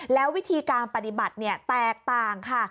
แล้ววิธีการปฏิบัติแตกต่างค่ะ